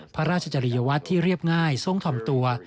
พระราชจริยวัตรที่เรียบง่ายทรงทำตัว